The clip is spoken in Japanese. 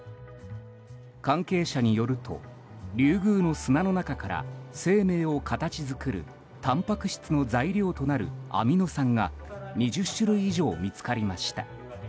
関係者によるとリュウグウの砂の中から生命を形作るたんぱく質の材料となるアミノ酸が２０種類以上見つかりました。